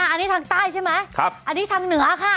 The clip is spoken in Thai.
อันนี้ทางใต้ใช่ไหมอันนี้ทางเหนือค่ะ